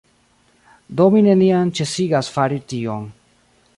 Do mi neniam ĉesigas fari tion